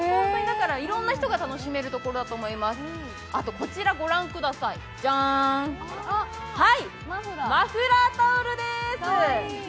いろんな人が楽しめるところだと思います、こちら御覧ください、こらち、ジャーン、マフラータオルです。